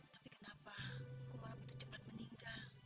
tapi kenapa kumalah begitu cepat meninggal